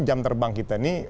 jam terbang kita ini